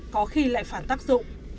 có khi lại phản tác dũng